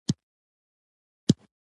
فریدګل په حیرانتیا شاوخوا سیمې ته کتل